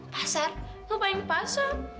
pasar lu main pasar